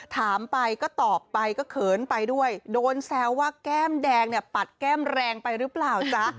ถามไปก็ตอบไปก็เขินไปด้วยโดนแซวว่าแก้มแดงเนี่ยปัดแก้มแรงไปหรือเปล่าจ๊ะ